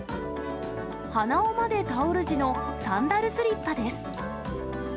鼻緒までタオル地のサンダルスリッパです。